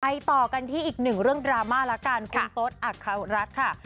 ไปต่อกันที่อีกหนึ่งเรื่องดราม่าระกันคุณพสอักขาวรักษ์